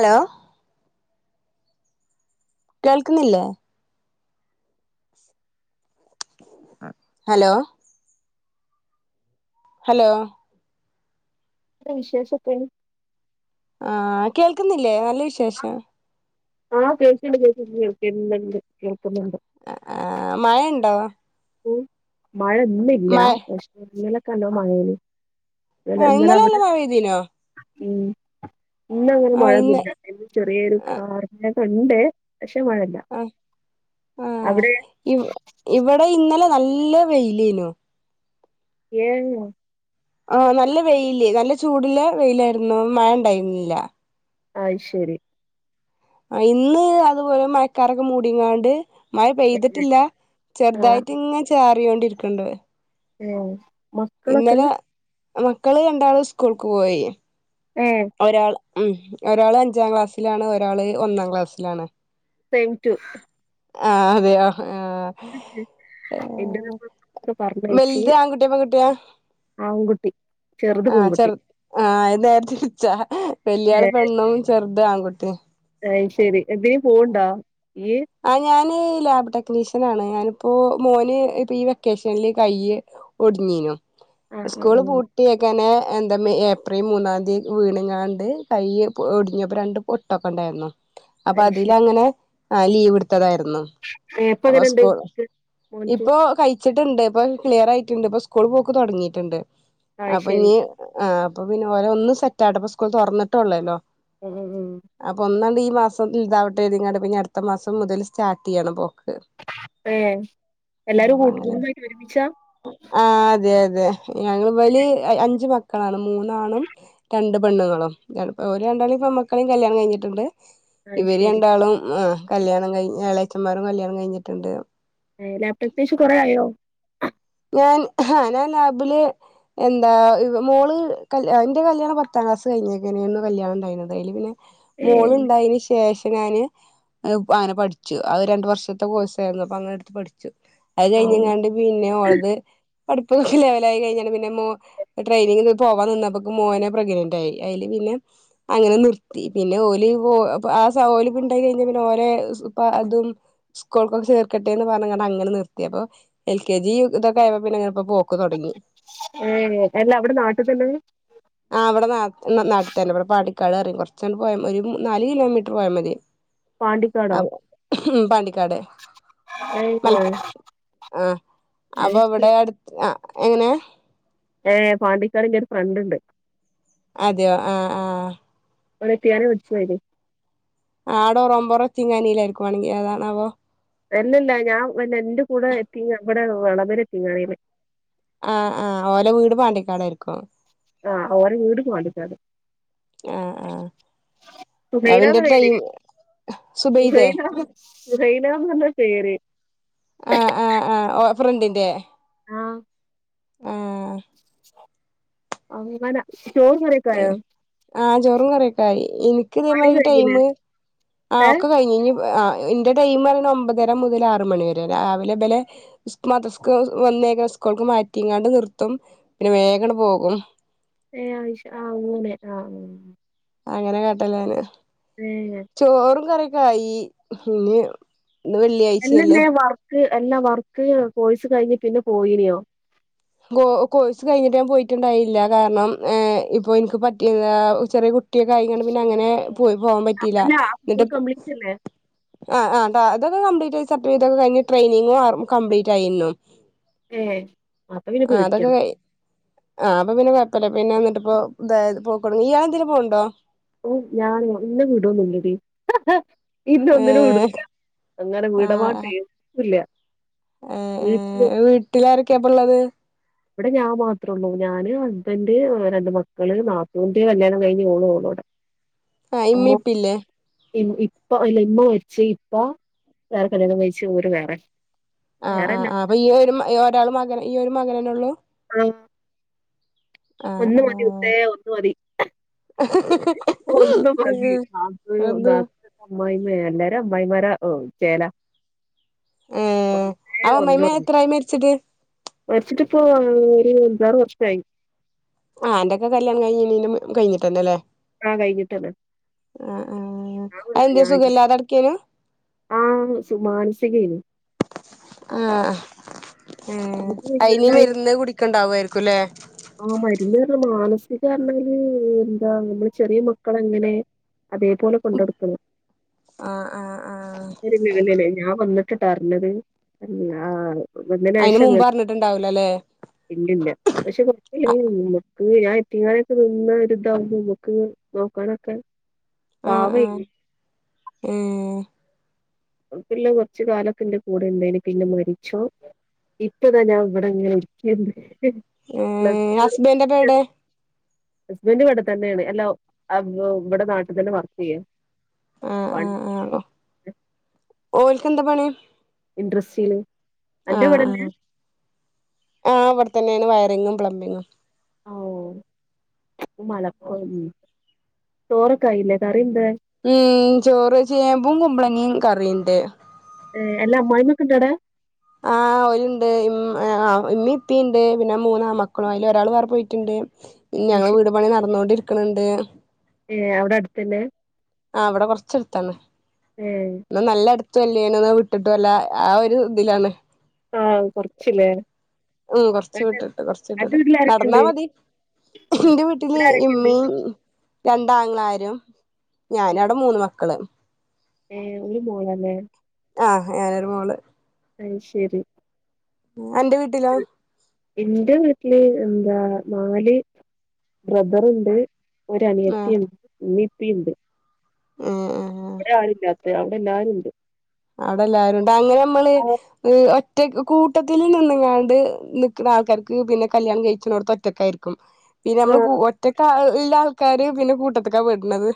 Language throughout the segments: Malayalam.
ഹലോ കേൾക്ന്നില്ലേ ഹലോ ഹലോ വിശേഷോക്കെ ആ കേൾക്കുന്നില്ലേ? നല്ല വിശേഷം. ആ കേക്ണ്ട്. [unintelligible] കേൾക്കുന്നുണ്ട് ആ മഴെണ്ടോ? ഉം മഴ ഇന്നില്ല പക്ഷെ ഇന്നലെ ക്കല്ലോം മഴേനി. ആ ഇന്നലെ നല്ല മഴ പെയ്തീനോ? ഉം ഇന്നങ്ങനെ മഴൊന്നൂല്ല. ഇന്ന് ചെറിയൊരു [unintelligible] ഇണ്ട്. പക്ഷെ മഴല്ല അ ആ. അവിടെ ഇവിടെ ഇന്നലെ നല്ല വെയിൽ ഏനു. ഏന്നോ? ആ നല്ല വെയിൽ. നല്ല ചൂടുള്ള വെയിൽ ആയ്രുന്നു. അപ്പ മഴ ഉണ്ടായിരുന്നില്ല. അഹ്ശരി. ഇന്ന് അതുപോലെ മഴക്കാർക്കെ മൂടിങ്ങാണ്ട് മഴ പെയ്തിട്ടില്ല. ആഹ് ചെറുതായിട്ട് ഇങ്ങനെ ചാറ്യോണ്ട് ര് ക്ക്ണ്ട്. ഏഹ് മക്കളൊക്കെ മക്കൾ രണ്ടാളും സ്കൂൾക്ക് പോയി ഏഹ് ഒരാൾ മ്മ് ഒരാൾ അഞ്ചാം ക്ലാസ്സിൽ ആണ്. ഒരാൾ ഒന്നാം ക്ലാസ്സിൽ ആണ്. Same too. ആഹ് അതിയോ ആ. എന്റെ മക്കളൊക്കെ പറഞ്ഞയച്ച് വൽത് ആൺകുട്ട്യോ പെൺകുട്ടിയോ? ആൺകുട്ടി ചെറുത് ആ ചെർ പെൺകുട്ടി ആ എ [unintelligible] ച്ചാ വല്യാള് പെണ്ണും, ചെർ ത് ആൺകുട്ടിം. അഹ്ശരി. ആ ഞാൻ ലാബ് ടെക്നീഷൻ ആണ് ഞാൻ ഇപ്പൊ മോൻ ഈ വെക്കേഷനിൽ കയ്യ് ഒടിഞ്ഞേനു ആഹ് സ്കൂൾ ആഹ് ആഹ് പൂട്ടിയെക്കാനേ എന്താ ഏപ്രിൽ മൂന്നാംതി വീണ്ക്കാണ്ട് കയ്യ് ഒടിഞ്ഞു അപ്പൊ രണ്ട് പൊട്ട് ഒക്കെ ഉണ്ടായിരുന്നു. അപ്പൊ അത് ശരി അതില്ലങ്ങനെ ലീവ് എടുത്തതായിരുന്നു. ന്നു ഏ ഇപ്പ അപ്പൊ എങ്ങനെണ്ട് സ്കൂൾ മോൻക്ക് ഇപ്പൊ കയിച്ചിട്ടുണ്ട്. ഇപ്പൊ ക്ലിയർ ആയിട്ടുണ്ട് ഇപ്പൊ സ്കൂൾ പോക്ക് തുടങ്ങീട്ടുണ്ട്. അയ് അപ്പൊ ശരി ഇനി ആ അപ്പൊ പിന്നെ ഓന് ഒന്ന് സെറ്റ് ആവട്ടെ ഇപ്പൊ സ്കൂൾ തുറന്നിട്ട് അല്ലെ ഒള്ളൂ [unintelligible] ഒന്ന് ഇതാവട്ടെ എന്ന് കരുതിക്കാണ്ട് ഇനി അടുത്ത മാസം മുതൽ സ്റ്റാർട്ട്‌ ചെയ്യണം എല്ലാരും ആഹ് അങ്ങനെ കൂട്ടുടുബായിട്ടൊരുമിച്ച ഞങ്ങള് വലീ അഞ്ച്മക്കളാണ് മൂന്നാണും രണ്ട്പെണ്ണുങ്ങളും ഓരരണ്ടാളുപ്പമക്കളെ കല്യാണംകഴിഞ്ഞിടൊണ്ട് അയ് ഇവര് ശരി രണ്ടാളും ആഹ് കല്യാണം കയ്ഞ് എളയച്ചന്മാരും കല്യാണം കഴിഞ്ഞിണ്ട്. [unintelligible] ഞാൻ [unintelligible] ഏ മോളിണ്ടായേന്ശേഷ ഞാന് അങ്ങനെ പഠിച്ചു ആരണ്ടർഷത്തെ കോഴ്സാര്ന്നു അപ്പങ്ങനെട്ത്ത് പഠിച്ചു. ആ അകഴിഞ്ഞിങ്കാണ്ട് പിന്നെ ഓള പഠിപ്പുനോക്കില കല്യാണംകഴിഞ്ഞപിന്നെ ട്രയിനിങിന്പോവാൻനിന്നപ്പെക്കും മോനെപ്രഗനറ്റായി അയില് പിന്നെ അങ്ങനെനിർത്തി പിന്നെ [unintelligible] പിന്നിപ്പിങ്ങനെ പോക്ക്തൊടങ്ങി. ഏഹ് അല ഇവ്ടെനാട്ടിതന്നേ ടെറങ്ങി കൊർചങ്ങട് പോയാമതി നാല്കിലോമീറ്റർ പോയമതി പാണ്ടിക്കാടോ ആഹ് ഉം പാന്തികാട് ഏ മല [unintelligible] അയ് അപൊവിടെ ശരി ആഹ് എങ്ങനെ ഏഹ് പാണ്ടികാടെന്റൊരു ഫ്രണ്ടണ്ട് അതെയൊ [unintelligible] അവിടെത്തിയാനൊ [unintelligible] ആടൊറോപൊറോം യെത്തീകാനേലാരിക്കുവേണങ്കി ഏതാണാവൊ അല്ലല്ല ഞാ എന്റെകൂടെയെത്തീ ഞങ്ങടെ വളകരയത്തീങ്കാനേല് ആഹ് ആഹ് ഓലവീട് പാണ്ടികാടായിരിക്കും. ആഹ് ഓൻവീട് പാണ്ടികാട് ആഹ് ആഹ് അവന്റെ ടൈം സുബൈദാനേര് സുബൈദേ സുബൈദ പേര് ആ ആ ആ ഓഫറിണ്ടില്ലെ ആ ആ അങ്ങന ചോറുങ്ങറിയൊക്കായൊ ആ ചോറും കറിയൊക്കായി കഴിഞ്ഞില്ലേ ഇനിക്കിതെമാരിടൈമ് ആ ഏ ഒക്കകഴിഞ്ഞ് ഇനി- ആ ന്റെടൈമ് പറയുമ്പോ ഒമ്പതരമുതലാറുമണിവരെ രാവിലെ വലെ സ് മദ്രസ്ന്ന് വന്ന് കയിഞ്ഞ സ്കൂൾക്ക് മാറ്റിങ്ങാണ്ട് നിർത്തും പിന്നെവേഗങ്ങട്ട് പോവും ഏ ആയ്ശ ആ അങ്ങനെ അ അ അങ്ങനെകാട്ടലാണ് ഏഹ് ചോറുംകറി- ക്കായി ഇനിം ഇന്ന് വെള്ള്യാഴ്ചയല്ലെ ക്ക് എല്ലാ വർക്ക് കോഴ്സ് കഴിഞ്ഞ് പിന്നെപോയിനോ കോ കോഴ്സ്കഴിഞ്ഞ് ഞാൻ പോയിട്ടിണ്ടായില്ല കാരണം മ് ഇപ്പൊനിക്ക് പറ്റി ചെറിയകുട്ടി- ട്ട്യോക്കെ ആയീങ്ങണ്ട് പിന്നങ്ങനെ പോവാൻപറ്റീല്ല അല്ല അപ്പൊ ഫുൾ ന്നിട്ട് കംപ്ലീറ്റല്ലേ? ആ ആ താ അതൊക്കെ കംപ്ലീറ്റ് ആയി സർട്ടിഫിക്കറ്റൊക്കെ കഴിഞ്ഞ് ട്രെയിനിങ്ങും കംപ്ലീറ്റ് ആയീന്നു ഏ ആ അതൊക്കെ കെയ് ആ അപ്പൊ പിന്നെ കൊയപ്പല്ല പിന്നെ ന്ന്ട്ട് പ്പൊ തായത് പോക്കണം ഇയാള് എന്തേലും പോണ്ണ്ടോ ഉ ഞാന് ഇന്നെ വിടൊന്നുല്ലെടി ഹ് ഹ് ഇന്നൊന്നിനും ഏഹ് വിടൂല അങ്ങനെ വിടമാട്ടെ ഇല്ല ആ വീട്ടില് ആ വീട്ടിലാരൊക്കെ അപ്പ് പ്പൊള്ളത്- ഇവ്ടെ ഞാമാത്രോള്ളു ഞാന് ഹസ്ബന്റ് വേറെ രണ്ടു മക്കള് നാത്തൂന്റെ കല്യാണം കയ്ഞ്ഞു ഓള് ഓളോടെ ആ ഇമ്മിപ്പില്ലേ ഇമ് ഇപ്പ ഇമ്മ മരിച്ചോയി ഇപ്പ വേറെ കല്യാണം കയ്ച്ച് ഓല് വേറെ ആ ആ വേറെല്ല ആ അപ്പൊ ഈ ഒരു ഒരാള് മകന് ഈ ഒരു മകനെന്നൊള്ളു ഉം ആഹ് ഒന്ന് മതി ആഹ് മുത്തേ ഒന്ന് മതി പ്പൊന്ന്മതി അന്ന് [unintelligible] ഏ എല്ലാരും അമ്മായിമ്മാരെ ചേല ഏ അപൊ മ്മായിമ്മ എത്രയായി മരിച്ചിട്ട് മരിച്ചിട്ടിപ്പോര് അഞ്ചാറ് വർഷായി ആ അന്റൊക്കെ കല്യാണം കയിഞ്ഞിണീന്റെ മുന്നേ കയ്ഞ്ഞ്ട്ടന്നെലേ ആ കഴിഞ്ഞിട്ടന്നെ അ ആ അതെന്തേ ഞാൻ സുഖല്ലാതെ കെടക്കേന്നു ആ സു മാനസികേനു ആ അ ഏ അത് അയ്ന് വയ്യാണ്ടായി മെരുന്ന് കുടിക്കണ്ടാർക്കും ലേ [unintelligible] മാനസികായ്ര്ന്നെങ്കിൽ ന്താ നമ്മള് ചെറിയ മക്കളെങ്ങനെ അതേ പോലെ കൊണ്ടടക്കണം. ആ ആ [unintelligible] ഞാ വന്ന് ക്ക ട്ടർഞ്ഞത്. [unintelligible] ഓൻ അയിന് വന്ന്നേഷം മുമ്പ് ഗൾ. അറിഞ്ഞിട്ടുണ്ടാവൂലല്ലേ ഇല്ലില്ല. പക്ഷേ [unintelligible] ഇല്ലേ. ഞാൻ യത്തീംകാനെക്ക നിന്ന് ഒര് താവുമ്പോ മ്മക്ക് നോക്കാനൊക്കെ ആ ആ പാവേ ഏ ട്ടില്ലാം കുറച്ചു കാലൊക്കെ ന്റെ കൂടെ ണ്ടായ്ന്ന് പിന്നെ മരിച്ചു ഇപ്പൊ താ ഞാവിടങ്ങനെ ഇരിക്ക്ണ്ട് ഏ ഹസ്ബന്റെപ്പ വെടെ ഹസ്ബന്റ് ഇവടെ തന്നെണ്‌ [unintelligible] വ്ടെ നാട്ടി തന്നെ വർക്ക്‌ ചെയ്യാണ് പണി ഉം എ ഓൽകെന്താ പണി ഡ്രെസിംഗ് ആ ആഹ് ആ ഇവടെ തന്നെണ് വയറിങ്ങും പ്ലബിങ്ങും ആ ഓ മഴ [unintelligible] ചോറൊക്കായില്ലേ ക മ് ചോറ് ചേമ്പും കുബ്ലങ്ങേം കറിണ്ട് ങേ അല്ല അമ്മായിമ്മെക്കെ ണ്ടൊ അടെ ങാഹ് ഓല്ണ്ട് ഇ ആ ഇമ്മീം ഇപ്പീണ്ട് പിന്നെ മൂന്ന് ആണ്മക്കളാ അയില് ഒരാള് വേറെ പോയിട്ട്ണ്ട് ഞങ്ങളെ വീട് പണി നടന്നോണ്ടിരി ക്ക്ണ് ണ്ട് ഏഹ് അവടെ അട്തെന്നേ ആ ഇവടെ കൊർച്ചട്ത്താണ്. ഏ ന്നാ നല്ലട് ത്തുല്ലേനും ന്നാ വിട്ട്ട്ടു അല്ല ആ ഒരു ഇതിലാണ്. ആ കൊറച്ചില്ലേ ഉം കൊർച്ച് അന്റെ വിട്ട്ട്ട് കൊർച്ച് അന്റെ വിട്ട്ട്ട് വീട്ടിൽ നടന്നാ ആരൊക്കെയുണ്ട് മതി ഇന്റെ വീട്ടിന്ന് ഇവിടെ ആരൊക്കെയുണ്ട് ഇമ്മീം രണ്ടാങ്ങളാരും ഞാനവടെ മൂന്ന് മക്കള് ഏഹ് ഒരു മോളാല്ലേ ആഹ് ഞാനൊരു മോള് അയ്ശെരി അന്റെ വീട്ടിലോ? ഇന്റെ വീട്ടില് എന്താ നാല് ബ്രദറ്ണ്ട് ഒരനിയത്തീം ഇമ്മീം പ്പീണ്ട് ആ ആ കൊറേ ആള്ണ്ടോ? ണ്ട് അവടെല്ലാരുണ്ട് അവടെല്ലാരു അങ്ങനെ ഇമ്മള് [unintelligible] ഒറ്റ് റ്റക് കൂട്ടത്തില് നിന്നങ്ങാണ്ട് നിക്കണ ആൾക്കാർക്ക്‌ പിന്നെ കല്യാണം കഴിക്കുന്നോടത്ത് ഒറ്റക്കായിരിക്കും പിന്നെ ആ നമ്മൾ കു ഒറ്റക്കാ ല്ലാൾക്കാര് പിന്നെ കൂട്ടത്തിക്കാ പെടുന്നത്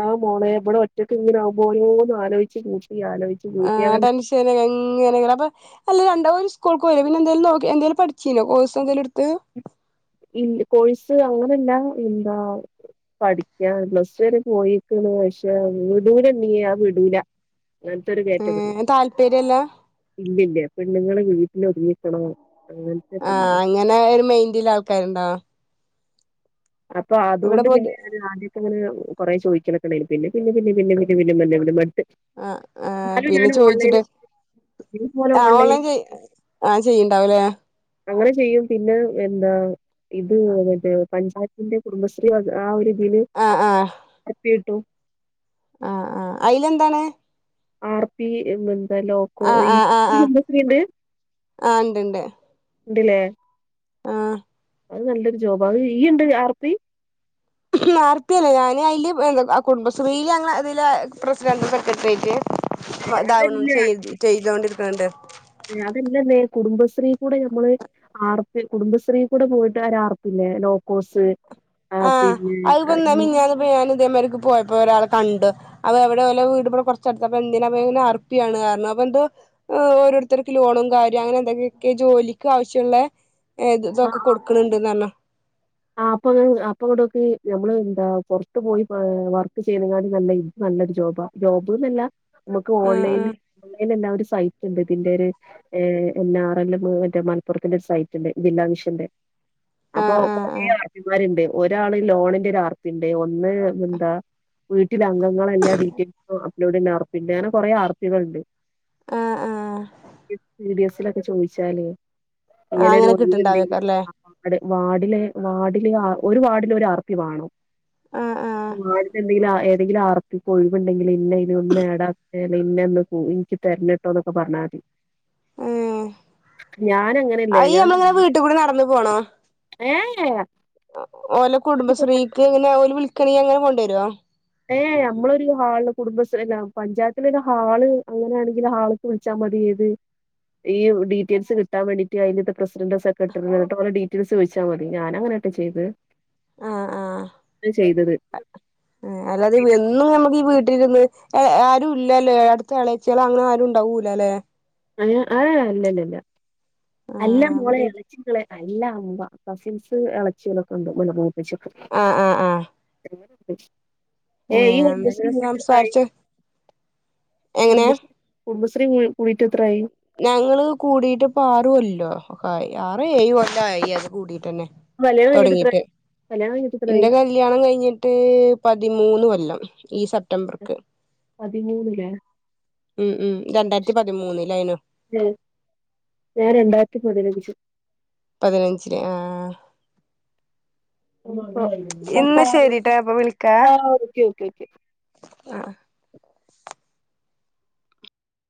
ആ മോളെ ഇവടെ ഒറ്റക്കിങ്ങനെ ആവുമ്പൊ ഓരോന്ന് അലോ ച്ച് ആ ടെൻഷൻ ഇങ്ങനെ എന്നുമിങ്ങനെ അപ്പൊ അല്ലേ [unintelligible] [unintelligible] പിന്നെന്തേലും നോക്കി എന്തേലും പഠിച്ചു കോഴ്സ് എന്തേലും എടുത്തോ ഇല്ല കോഴ്സ് അങ്ങനല്ല എന്താ പഠിക്കാ പ്ലസ് ടു വരെ പോയീക്കണ്‌ പഷേ [unintelligible] വിടൂല അങ്ങനത്തെ ഒരു കാറ്റഗറി ഏഹ് താല്പര്യല്ല ഇല്ലില്ല പെണ്ണുങ്ങള് വീട്ടി ലൊതുങ്ങി നിക്കണം ആ അങ്ങനെ ഒരു മൈൻഡിലാ [unintelligible] അപ്പം അതുകൊണ്ട് പിന്നെ ആദ്യം അങ്ങനെ കൊറെ ചോയിക്കലൊക്കെ ഉണ്ടായിന് പിന്നെ പിന്നെ പിന്നെ [unintelligible] ആ ആ എന്നാലും പിന്നെ ഞാൻ ഓൺലൈനിൽ ചോയ്ച്ചിട്ട് ഇതുപോലെ ആ ഓൺലൈൻ ഓൺലൈനിൽ ചെയ്യ് ആ ചെയ്യുന്നുണ്ടാവും അല്ലേ അങ്ങനെ ചെയ്യും പിന്നെ എന്താ ഇത് മറ്റേ പഞ്ചായത്തിന്റെ കുടുംബശ്രീ വക ആ ഒരു ഇതില് [unintelligible] ട്ടും അഹ് അയ്ലെന്താണ് ആ ർ പി എന്നത് ലൊ ആഹ് കോഴി ആഹ് ആഹ് ആഹ് പിന്നെന്തെക്കെണ്ട് ആഹ് ഇണ്ട്ണ്ട് ഇണ്ട് ലേ ആഹ് അത് നല്ലൊരു ജോബാ ഈ ഈയുണ്ടോ R P R P അല്ല ഞാന് അയ്ല് കുടുംബശ്രീല് അങ്ങളെതില് പ്രസിഡന്റും ‌, സെക്കട്ട്രിയയ്റ്റ് ഇതാവുണ് അതല്ല ചെയ്തോണ്ടിരിക്ക്ണ് ണ്ട് കുടുംബശ്രീക്കൂടെ നമ്മള് ആർ പി, കുടുംബശ്രീ ക്കൂടെ പോയിട്ട് ഒരാർ പില്ലേ ലൊ കോസ് ആ അത്പ്പം മിഞ്ഞാന്ന് ഞാന് തേമാരിക്ക് പോയപ്പൊരാളെ കണ്ടു അപെ എവിടെ ഓലെ വീട് ബ ടെ കൊർ ചട്ത് അപ്പെന്തിനാ ങ്ങനെ ആർപി ആണ് അറ്ഞ്ഞു അപ്പെന്തോ ഓരോര്ത്തര്ക്ക് ല്ല ഓണൊകാര്യാ അങ്ങനെ ന്തൊ [unintelligible] ഈ ജോലിക്കാവശ്യള്ളെ എഹ് ഇത് തൊക്കെ കൊടുക്ക്ണ് ണ്ട് ന്ന റ്ന്ന അപ്പങ്ങട്ടോക്ക് ഞമ്മള് ന്താ പൊർ ത്ത് പോയി പ വർക്ക് ചെയ്യ് ണ ക്കാട്ടി നല്ലത് ജോബാ ജോബ്ന്നല്ല മ്മക്ക് ആഹ് ഓൺലൈൻല് അയ്നെ സൈറ്റ്ണ്ട് തിന്റൊരു എന്നാ റെല്ല് പോലെ മറ്റേ മലപ്പുറത്തിന്റെ ഒരു സൈറ്റുണ്ട് ജില്ലാ മിഷന്റെ ആ ആ അ ആ ർ പി മാരുണ്ട് ഒരാള് ലോണ്ന്റൊ രാ ർപി ണ്ട് ഒന്ന് എന്താ വീടീലെ അംഗങ്ങളെ എല്ലാ ഡീറ്റെയിൽസും അപ്പ്‌ ലോഡ് ചെയ്യ് ണ ആർപി അങ്ങനെ കൊറേ ആർപികള്ണ്ട് ആഹ് ആഹ് ആഹ് ഈ സി ടി എസ് ലൊക്കെ ചോയ്ച്ചാല് ആ അങ്ങനെ കിട്ട്ണ്ടായിരിക്കുംല്ലേ വാഡില് വാടില് ഒരു വാർഡിൽ ഒരു ആ ർ പി വേണം ആഹ് ആഹ് മാർ ക്കെന്തെങ്കിലും ആയാൽ ഇതിൽ ആർ പി കൊയിവ്ണ്ടെങ്കില് ലെന്നെ ഒന്ന് ആഡ് ആക്ക് [unintelligible] ഇന്ക് തരണട്ടോന്നൊക്കെ പറഞ്ഞാമതി ഏ ഞാൻ അങ്ങനെയല്ലേ ഞാൻ അയ്നമ്മേടെ വീട്ടിക്കൂടെ നടന്നപോണോ? [unintelligible] ഒലെ അത് ഫോണ്- കുടുംബശ്രീക് എങ്ങനെ ഓര് വിളി ക്ക ങ്ങനെ കൊണ്ടിരോ [unintelligible] ഏ നമ്മളൊരു ഹാളില് കുടുംബശ്രീ പഞ്ചായത്തിൽ ഒരു ഹാൾ അങ്ങനെയാണെങ്കിൽ ഹാളിക്ക് വിളിച്ചാ മതി ഏത് ഈ ഡീറ്റെയിൽസ് കിട്ടാൻ വേണ്ടിട്ട് അയിന്റെ പ്രസിഡണ്ട്‌ സെക്രട്ടറി അവരോട് ഡീറ്റെയിൽസ് ചോദിച്ചാമതി. ഞാനങ്ങനെയാ ട്ടോ ചെയ്തേ ആഹ് ആഹ് ചെയ്തത് അല്ലാതെ പിന്നെ വെന്നും നമുക്ക് ഈ വീട്ടിലിരുന്നു ഏ ആരും ഇല്ലലെ അടുത്ത് ഇളയിച്ചി അങ്ങനെ ആരും ണ്ടാവൂലലെ ആ ല്ല ല്ല ല അല്ല മോളെ [unintelligible] നല്ല അമ്മ [unintelligible] ഇളച്ചിയെളും ആഹ് ആഹ് ആഹ് [unintelligible] [unintelligible] ഏ ഏഹ് നീ എന്നാ കുടുംബശ്രീയിൽ പിന്നെ കൂടിയിട്ട് എത്രയായി സംസാരിച്ച് എങ്ങനെ [unintelligible] റ്റ് ത്രയായി ഞങ്ങള് കൂടിട്ട് ആറുകൊല്ലേ ആറോ ഏയോ കൊല്ലായി അത് കൂടിറ്റന്നെ കല്യാണം കഴിഞ്ഞിട്ട് തൊടങ്ങീറ്റ്. എത്രായി കല്യാണം കഴിഞ്ഞിട്ട് എത്രായി ഇന്റെ കല്യാണം കഴിഞ്ഞിട്ട് പതിമൂന്ന് കൊല്ലം ഈ സെപ്തംബർക്ക് പതിമൂന്നില്ലേ ഉം ഉം രണ്ടായിരത്തി പതിമൂന്നിലായ്നു ഉം ഞാൻ രണ്ടായിരത്തി പതിനഞ്ചില് പതിനഞ്ചില് ആ ആ [unintelligible] ശരിട്ടാ അപ്പൊ വിളിക്കാ ആ ഓക്കേ ഓക്കേ ആഹ്